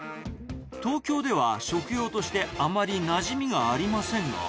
東京では食用としてあまりなじみがありませんが。